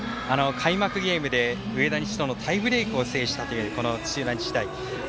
開幕ゲームで上田西とのタイブレークを制したというこの土浦日大。